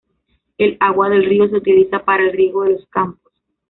El agua del río se utiliza para el riego de los campos.